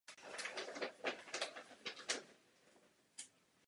Parlament skutečně nebyl neflexibilní.